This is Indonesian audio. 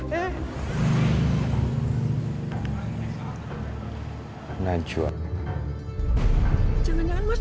iya kalau udah jadi ke microwave tunjuk akan kolonelse